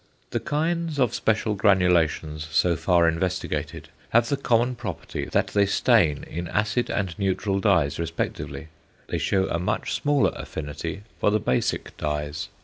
The kinds of special granulations so far investigated have the common property, that they stain in acid and neutral dyes respectively; they shew a much smaller affinity for the basic dyes.